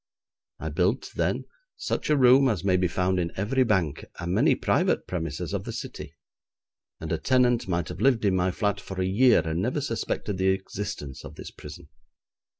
I built then such a room as may be found in every bank, and many private premises of the City, and a tenant might have lived in my flat for a year and never suspected the existence of this prison.